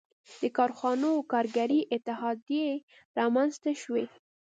• د کارخانو کارګري اتحادیې رامنځته شوې.